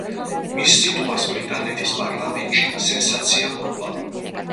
მის სიტყვას ბრიტანეთის პარლამენტში სენსაცია მოყვა.